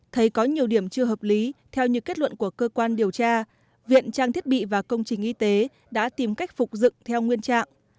thấy có nhiều điểm chưa hợp lý theo như kết luận của cơ quan điều tra viện trang thiết bị và công trình y tế đã tìm cách phục dựng theo nguyên trạng